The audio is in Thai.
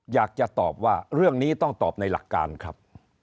อยากจะตอบว่าเรื่องนี้ต้องตอบในหลักการครับ